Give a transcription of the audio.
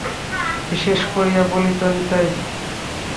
বিশেষ করিয়া বলিত নিতাই।